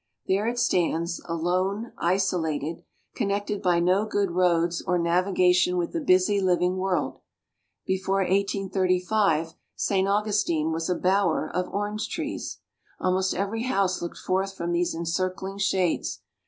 There it stands, alone, isolated, connected by no good roads or navigation with the busy, living world. Before 1835, St. Augustine was a bower of orange trees. Almost every house looked forth from these encircling shades.